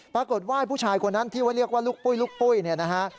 ปรากฏว่าผู้ชายคนนั้นที่ว่าเรียกว่าลูกปุ้ยลูกปุ้ยเนี่ยนะฮะ